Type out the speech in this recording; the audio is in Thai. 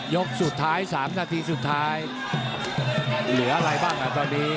ยกสุดท้าย๓นาทีสุดท้ายเหลืออะไรบ้างอ่ะตอนนี้